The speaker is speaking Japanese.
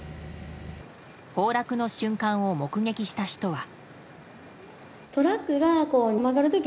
崩落の瞬間を目撃した人は。